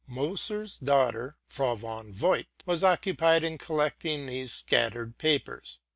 Mdéser's daughter, Frau von Voigt, was occupied in collecting these scattered papers.